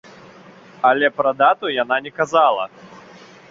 Але пра дату яна не казала.